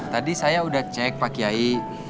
tadi saya sudah cek pak kiai